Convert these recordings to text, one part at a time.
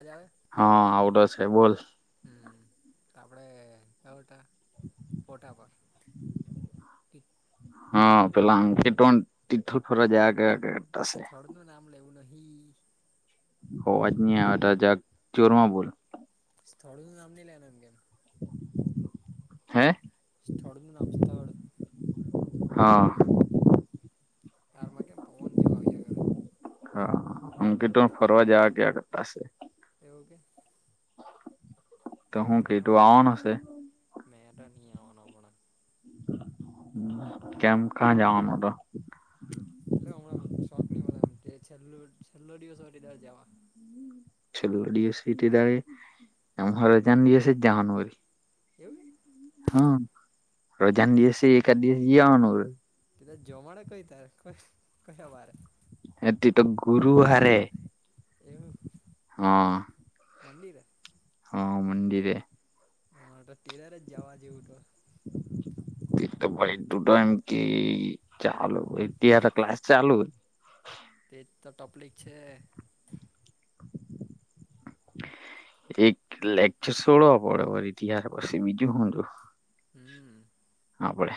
અવાજ આવે. હા આવડો છે બોલ હમ તો આપડે અવે તો ફોટા પર હા પેલા કિટુ વન તિથલ ફરવા જાયા કરે સ્થળ નું નામ લેવું નહી. અવાજ ની આવે તો જરાક જોરમાં બોલ સ્થળો નું નામ ની લેના એમ કેમ હે સ્થળનું નામ સ્થળ હા. તારમાં કેમ પવન જેવા આવ્યા કરે હા અંકિત વણ ફરવા જવા કિયા કરતાશે એવ કે તો હું કે તું આવવાનોશે મે તો ની આવનો અમના કેમ કા જવાનો તો એટલે હમણાં શોખ ની મળે એમ છેલ્ છેલ્લો દિવસ અહે તે દાડે જવા છેલ્લે દિવસ હોય તે દાડે એમ હો રજા ના દિવસે જ જવાનું હોય એવું કે હા રજાને દિવસે એકાદ દિવસ જીયાનું તે દાડે જમણા કઈ તારીખે ક્યા વારે? એથી તો ગુરુવારે એવું? હા. મંદિરે હા મંદિરેે હા તો તે દાડે જ જવા જેવું તો [inaudible] તું તો પહિ એમ કે ત્યાં તો એ ક્લાસ ચાલુ. તે જ તો તકલીફ છે. એક લેકચર છોડવા પડે ત્યાર પછી બીજું હું તો હમ્મ હા આપડે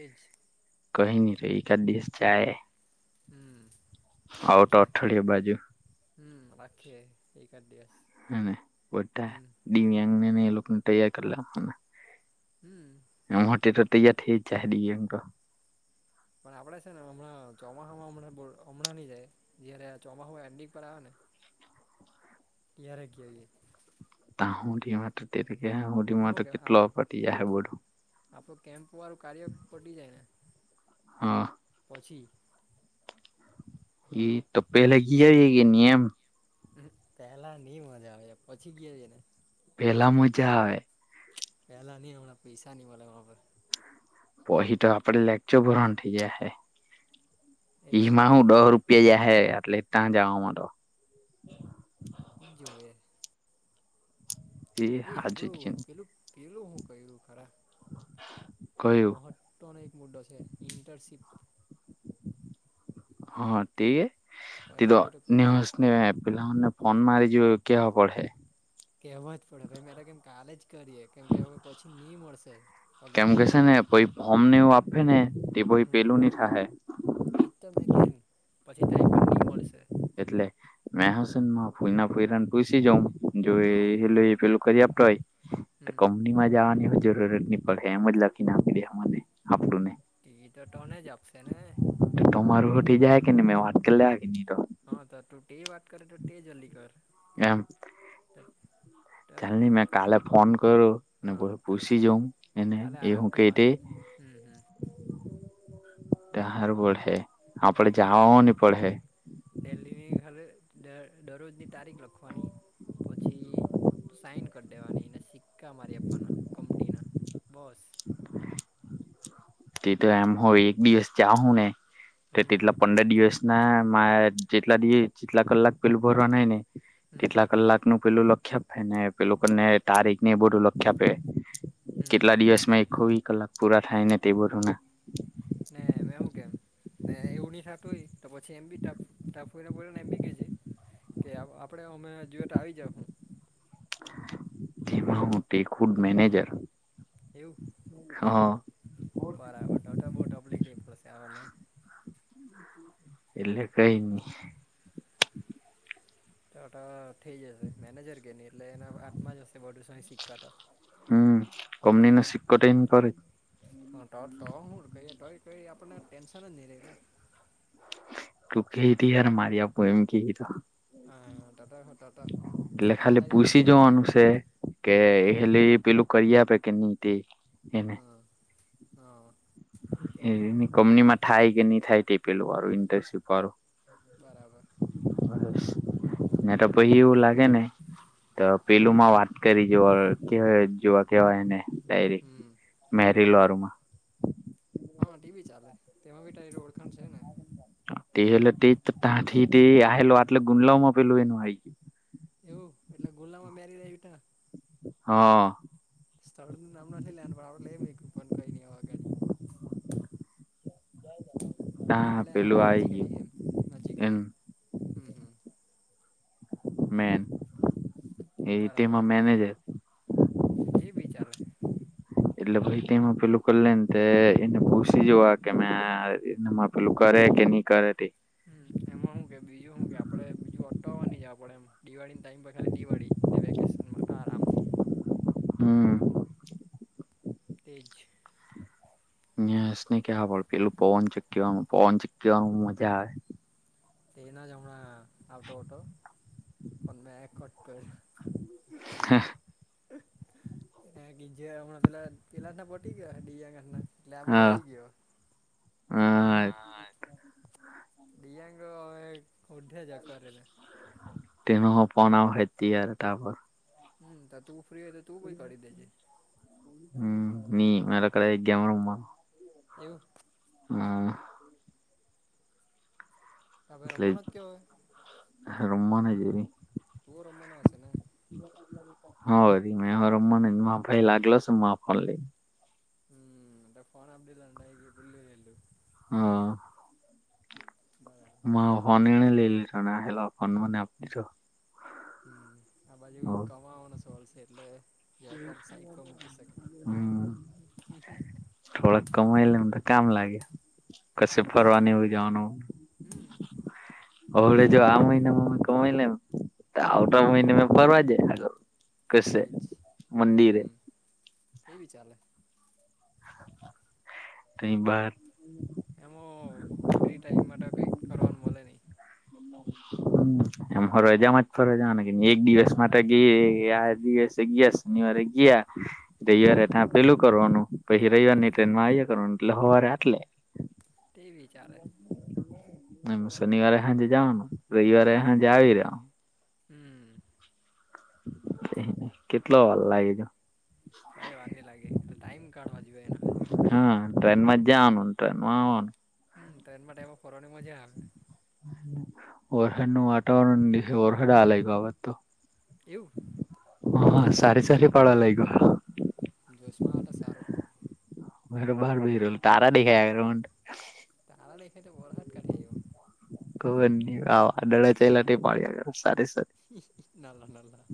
એજ કહી ની તો એકાદ દિવસ જાયે હમ રાખે અઠવાડિયા બાજુ હમ રાખે એ ખાદ દિવસ હમ્મ બધા ને હમ દિવ્યાંગને એ લોકોને તૈયાર કર લાખવાના હમ્મ. એમ મોટે તો તૈયાર થઈ જ જાહે દિવ્યાંગ તો પણ આપડે છે ને હમણાં ચોમાસામાં હમણા હમણાં ની જાય જયારે ચોમાસાુ એન્ડિંગ પર આવે ને [inaudible] ક્યારે ગયા એ? તહુથી મા તે કે હ [inaudible] હુ દ મ ને તો કેટલો પતી હે બધું આપડ કેમ્પ વાળું કાર્ય પડી જાય ને હા. પછી એ તો પહેલા ગિયાવે કેની એમ પેલા ની મજા આવે પછી ગિયાવે ને પેલા મજા આવે. પહેલા નહીં હમણાં પૈસા ની મળે માંં પર પછી તો આપડે લેક્ચર ભરવાનું થઇ ગયા હે એઈમાં એટલે હું દહ રૂપ જશે હે એટલે ત્યાં જવામાં તો જોએ એ હાચુ જ કે આપડું ની પેલું પેલું શું કર્યું ખરા [unintelligible] મહત્વનો એક મુદ્દો છે ઇન્ટર્નશિપ હા તે કઈને તો કોઈ ને પેલાને ફોન મારી જો કેવા પડે? કેવા જ પડે ભાઈ મારે કેમ કાલે જ કરીએ કેમ કે પછી નહી મળશે. કેમ પગારથી કેહે છે ને કરીને પછી ફોર્મને એવું આપે ને એ ભાઈ પેલું નહીં થાય. તમે કેમ પછી ટાઈમ પર નહી મળશે? એટલે મે હશેન ફઈ ના ફઈરાને પૂસી જઉં જોે હા એ પેલું કરી આપતો હોય હમ કંપનીમાં જવાની જરૂરત નહી પડે એમ જ લખી ના આપી દે. આપડું ને એ તો તને જ આપશે ને? તો તમારું પતિ જાય કે ને મે વાત કરી હ કે ન તો હ ત તું તે વાત કરે, તો તે જલ્દી કર. એમ તટ કાલની મે કાલે ફોન કરો ને હા કર કાલે પુછી જોમ એને કાલે એ હું આરામથી માર કેટે હમ હમ તા હારુ પડ હે આપડે જાવા ઓની પડે હે. દેલ્લી વી હાલવે દર દરોજની તારીખ લખવાની. પછી સાઈન કરડેવાની દેવાની ને સિક્કા મારી આપ્પાના કંપનીના બસ. તે તો એમ હો એક દિયેસ જા હું ને તે હમ તેટલા પંદર દિવસ ના મા જેટલા દિસ જેટલા કલાક પેલું ભરવા નાય ને હમ તેટલા કલાક નું પેલું લખ્યાપ હેને પેલું કરને તારીક ને એ બધું લખ્યાપે હે. હમ કેટલા દિવસ મે એખ્ખો વી કલાક પૂરા થાય ને તેવરોને. ને મે હું કેમ ને એવું ની થાતું હોય. તો પછી એમ બી તાફ તા ફોયના પોયનાને એમ બી કે જે કે આવ આપડે અમે જો તો આવી જા હું. તે પણ હું તે ખુડ મેનેજર. એવું હા અ બરાબર તો તો બો ટપ્લિક ની પોશે અવને. એટલે કઈ ની તા ત થેઈ જશે મેનેજર કેની એટલે એનાવ હાતમાં જ હશે, બોધુ સઈ સિક્કા ત. હમ-મ-મ કમનીને સિક્કો તો એન પર જ. હ, તો તોહું કય ટય ટય આપને ટેન્શન જ ની રેય ને. તું કેય ત્યારે મારી આપું એમ કેય એ તો. હ-અ-અ ત તો હું ત એટલે ખાલી પૂછી જોવાનું છે? કે હમ એ એહેલી પેલું કરી આપે કે ની તે એને? હા હા. એની કંમનીમાં થાય કે ની થાય તે પેલું વારું ઇન્ટર્નશીપ વાળું? બરાબર [inaudible] ને તો પહી એવું લાગે ને તો પેલું માં વાત કેરી જોવા કેવાય જોવા કેવા એને ડાયરી હમ મેરીલ વારુમાં હ તેબી ચાલે તેમાં બી તારી તો ઓળખાણ છે ને. તે એટલે તે ત તાથી તે આહેલો આટલે ગુંલાવ માં પેલું એનું આઇ ગયું. એવું એટલે ગુંલાવ માં મેરી ર આયવી તા. હા. સ્થળનું નામ નથી લેનું પણ આપ લેય મુયકુ પણ કઈ ની અગાડ. કે તા આટલે પેલું આપન નજીક આવી ગયું ગયા એમ. નજીક, એમ હમ્મ હમ્મ. મેન એ તેમાં મેનેજર તેબી ચાલે. એટલે ભાઈ તેમાં પેલું કરલેન તે એને પુસી જોવા કેમ મે આ એને માપ પેલુ કરે કે ની કરે તે. હમ્મ, એમાં હું કે બીજું હું કે આપડે બીજું અટકાવા ની જાવ પડે એમ દિવાળી ટાઈમ બગા દિવાળી ને વેકેશનમાં આરામ. હમ્મ. તેજ. ન્યાસને કેવા પડ પેલું પવન ચીકવાણું પવન ચીકવાણું મજા આવે. તેનાં જ હમણાં આવતો અટો પન મે કટ કર. એ ગીજા હમણાં જે પેલા ના પટી ગ્યા હે ડીજાઆંગાના. એટલે આબાજ હા આવી ગયો. હા, દિયાંગ ઓઢ્યા જ કર એ ના. તેનો હો ફોન આવહે ત્યારે તો આપણ હમ્મ, તો તું ફ્રી હોય તો તું ભી કરી દેજે. હમ્મ, ની મે તો કરાય જવા ઉમા. એવું? હા. તમે એટલે રમવાનો જ કે હવે રમવાના જેવી. હા વળી મે હો રમવાના [unintelligible] લાગેલો સે [unintelligible] હમ્મ, પછ ફોન આપી દીધેલો [unintelligible] હા. બરાબ હા ફોન એને લઈ લીધો ન આયલો ફોન મને આપ દીધો. હમ્મ. આ બાજુ કમાવાનો સવાલ છે એટલે જરાક વાર સાઈટ પર મૂકી શકે. હમ હમ હ થોડાક કમાય લેમ તો કામ લાગે કશે ફરવાની હોય જવાનું હો. હમ્મ. હળે જો આ મહિનામાં મે કમાય લેમ તો હમ આવતા મહિને મે ફરવા જે આગળ. તેજ કશેે, મંદિરે. એ વિ ચાલે. તઈ બાર. એમ હો ફ્રી ટાઈમ માટે કઈક કરવાનું મળે નહી. એમ હો રજા માં જ ફરવા ન એક દિવસ માટે ગઈ આ દિવસ. એક દિવસ શનવારે ગયા. ત્યાંયા હમ રેતા પેલું કરવાનું પીહિ રવવાર ની ટ્રેનમાં આવી કરવાનું એટલે હવારે આટલે તે વિચાલે શનિવારે સાજે જવાનું રવિવારે હાંજે આવી રહવા હમ્મ. કેટલો વાર લાગે છે? કઈ વાર ની લાગે ખાલી ટાઈમ કાઢવાજ જો એ ના હાજુ. હા, ટ્રેનમાં જાવનું ટ્રેન માં આવવાનું. હમ્મ, ટ્રેનમાં તો ટાઈમ ફરવાની મજા આવે. ઓરખનું વાતાવરણ વર્હદ આવા લેગો હવે તો. એવું હ સારી સારી પાળ લાઈ ગ. જોશમાં હોય ત સારું મેતો બાર બેસી રહેલો તારા દેખાયા [unintelligible] તારા દેખાય તો વરસાદ ક્યાંથી આવેલો [unintelligible] વાદળા ચાલ્યા તે પાડ્યા સારી સે નાના નાના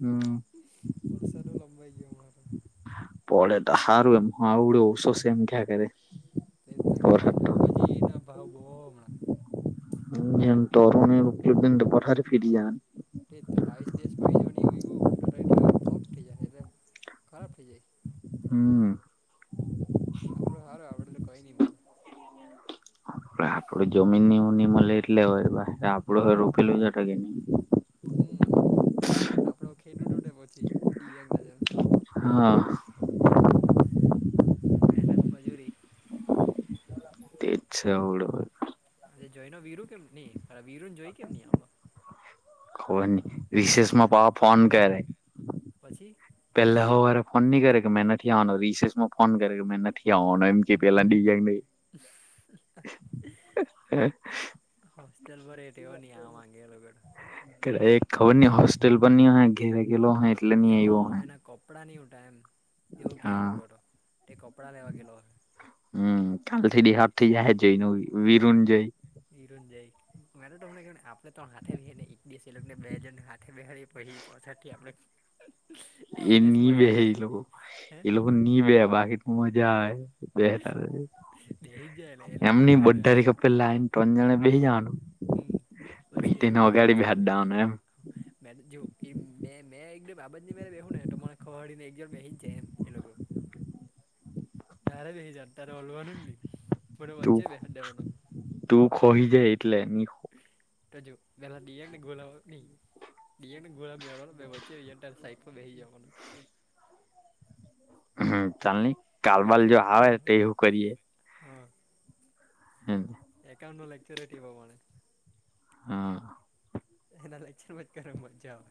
હમ વરસાદ લંબાઈ ગયો હમણાં તો. પડે તો હારું એમ હ આવડું ઓશો છે એમ ક્યાં કરે એજ તો કેમ વરસાદ યાર તો હાકભાજી ના ભાવ બહુ હમણાં એમ તોરહો [unintelligible] પથારે ફીટી જાન એજ તો બાવીસ દિવસ પહિ હો ની ઊગું એ તો ફ્લોપ થઈ જ એટલે ખરાબ થઈ જાય હમ્મ આપડું હારું આપડે તો કઈ નઈ મળલે આપડુ જમીન નીવ નિ મળે એટલે [unintelligible] આપડું રોપેલું જ એટ કે નહી હમ્મ આપડો ખેડૂ તૂટે પછી વિવ્યાંગ ના જેમ હા મહેનત મજૂરી તેજ હલ જોઈ નો વિરું કેમ નહરે વિીરુ ને જોઈ કેમ નહ આવલો ખબર ન ફોન રિશેષ નહી માં મારે પાહો ફોન કરે પછી પેલા હ વારે ફોન નની કરે કે મેં નથી આવવાનો રિસેજમાં ફોન કરે કે મેં નથી આવવાનો એમ કે પેલા દીવ્યંગ ને હોસ્ટેલ પર એ કેવાની ની આ માંગે એલોગર કર એક ખબરની હોસ્ટેલ પર ની ઓહ ગેલો હ એટલે એ નહી હ આવ્યો એના કપડાં ની ઉ ટ એમ એવું હા કહેટો હતો એ કપડાં લેવા ગેલો હ. હમ્મ કાલ થી દીહાપ થી જહે જઈને વિરુંન જઈ નિરુંંજય મેં તો તમને કવ ને આપણેે તન હાથે બ બેને એક દિવસ એ લોકોને બે જણ હાથે બેહારી પછી પછાથી આપડે એક એ દિવસ નિ બે મજા લે એ લોકો હે એ લોકોગ નિ બેહે બાકી ટ કમાજા આવે બે બેહી જ જાય એટલે એ [unintelligible] લોકોને એમની મજા લે બાધા કે લઈન ટન જાવનું બેહી જેવાનું હમ્મ પછી એ લોક બે ને પહાડી બેહાડવાનું એમ મે જો મે મેં એક બાબત ની મેરે બેહું ને તો મને ખબરડી ને એક જ બેહી જ જાય એમ એ લોકો [unintelligible] તારે બહિ જાવાનું તારે હલવાનુંની મને તું પચી બેહાર દેવાનો તું ખોઈ જાય એટલે ત જો પેલા દયા ને ગોલા નહી દિયા ને ગોલા મેમચી સઈક બેસી જાવાનું હમ ચાલ નહી કાલબાલ લેક્ચર જો આવે તોવું કરીએ. હા. હમ. એકાઉન્ટ નો લેક્ચરટ પ્રમાણે હ એના લચાર મજ કર મજા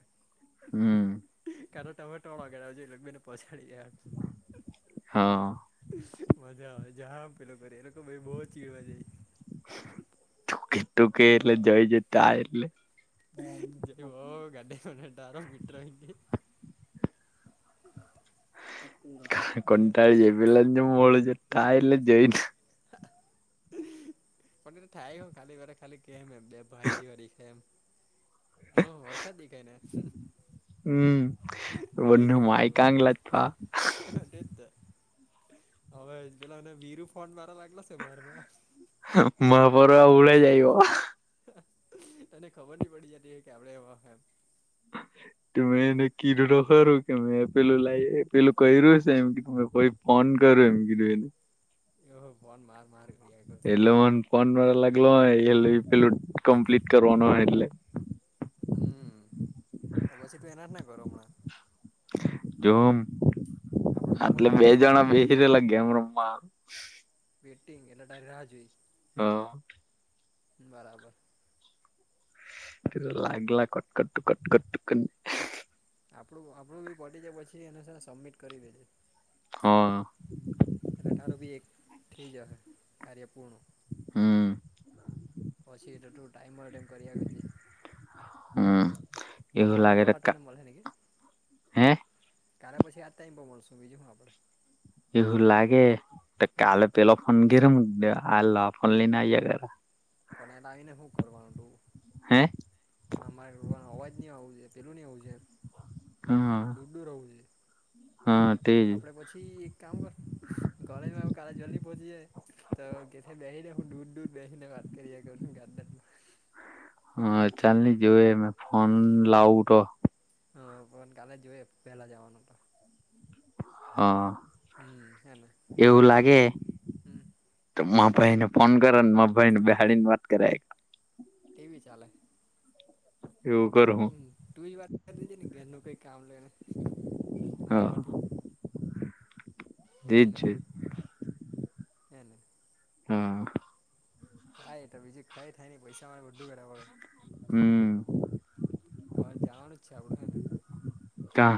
હમ કા તો ટમેટા વાળોગેડ જો એટલે બેને પહોચાડી દાય હા મજા આવે જામ પેલો કરે એ લોકો ભ બહુ ચીવા જાય [unintelligible] [unintelligible] [inaudible] [unintelligible] [unintelligible] ખાલી કે એમે બે ભાઈ જેવા દેખાય એમ એમાં હરખા દેખાય ને. હમ બને હાઈટમાં ને [unintelligible] જ હવે પેલા મને વિરુ ફોન મારા લાગેલા છે [unintelligible] તને ખબર નહી પડી કે આપડે એવા મે એને કીધું ન ખુંરુ કે મેં પેલું લાવ પેલું ક્યું છે એમ કે તમે કોઈ ફોન કરું એમ [unintelligible] એ ફોન માર માર કર્યા કરે એટલે ફોન લાગલો હોય પેલું કમ્પ્લીટ કરવાનો એટલે. હમ તો પછી તું એના જ ના કર હમણાં. જોમ. આપડે તો એમાં એટલે ટાઈમ બે થઈ જ ગયો જણા બેસી રહેલા ગેમ રમમાં વેટિંગ એટલે તારી રાહ જોઈ. હા. બરાબર. એ લાગલા કટ કટ કટ કટ આપડું આપણું બી પતી છે પછી એને સબમિટ કરી દેજે. હા. એટલે તારું બી એક થઈ જ હશે કાર્ય પૂર્ણ. હમ પછી એતો ટાઈમમાં એમ કરી આલજે હમ એવું લાગે તો કા [unintelligible] હે કાલે પછી આજ ટાઈમ મળશું બીજું હું આપણે. એવું લાગે તો હમ કાલે પેલો ફોન ઘેર મુકી આ ફોન લઈને આ કર પણ એ લાવીને શું કરવાનું તું. હે. હા મારે અવાજ નઈ આવું છે પેલું નહી આવું છે. હા. [unintelligible] હા તે? આપણે પછી એક કામ કર કોલેજમાં કાલે જલ્દી પહોંચી જાય તો કે બેહીને હ દૂર દૂર બેહી ને વાત કરિયા કરશું ગાડનમાં હા ચાલ ન જોવે મે ફોન લાવું તો હા પણ કાલે જોએ પહેલા જવાનું તો. હા હમ હેને એવું લાગે હમ તો મા ભાઈ ને ફોન કર ને મા ભાઈ ને બેહાડીને વાત કરે. ટીવી ચાલે. એવું કરો હમ તુંજ વાત કરી લેજે ને ઘરનું કઈ કામ લેને. માર હા માથી. તેજ એને છે એને. હા. થા એટ તો બીજું ખાઈ થાય ને પૈસા મારે બધું કરે પડે હમ હવે જવાનું છે આપડું હ ને કા